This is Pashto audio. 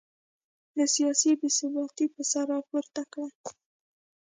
نو سیاسي بې ثباتي به سر راپورته کړي